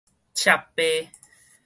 鍘扒